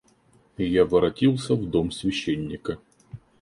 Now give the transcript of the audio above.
Я воротился в дом священника.